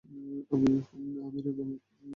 আমিও রে, ভাই।